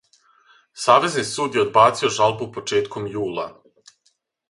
Савезни суд је одбацио жалбу почетком јула.